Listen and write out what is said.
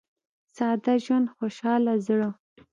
• ساده ژوند، خوشاله زړه.